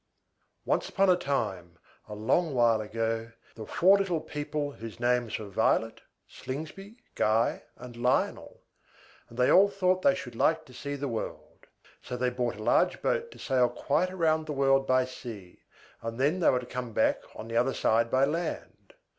Once upon a time, a long while ago, there were four little people whose names were VIOLET, SLINGSBY, GUY, and LIONEL; and they all thought they should like to see the world. So they bought a large boat to sail quite round the world by sea, and then they were to come back on the other side by land.